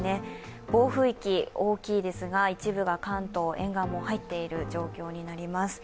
暴風域は大きいですが、一部が関東沿岸部も入っている状況になります。